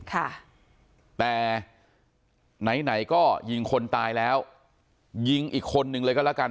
ค่ะแต่ไหนไหนก็ยิงคนตายแล้วยิงอีกคนนึงเลยก็แล้วกัน